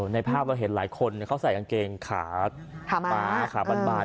ในภาพเราเห็นหลายคนเขาใส่กางเกงขาม้าขาบาน